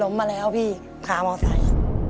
ล้มมาแล้วพี่ขามออกใส่